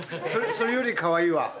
それよりかわいいわ。